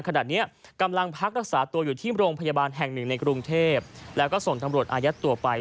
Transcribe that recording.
ขณะนี้กำลังพักรักษาตัวอยู่ที่โรงพยาบาลแห่งหนึ่งในกรุงเทพแล้วก็ส่งตำรวจอายัดตัวไป